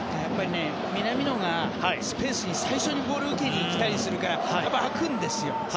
南野がスペースに最初にボールを受けに来たりするからやっぱり空くんですよ。